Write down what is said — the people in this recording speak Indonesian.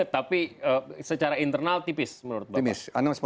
tapi secara internal tipis menurut bapak